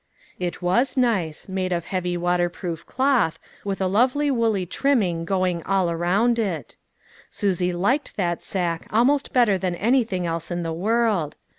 It was nice, made of heavy waterproof cloth, with a lovely woolly trimming going all around it. Susie liked that sack almost better than anything else in the world.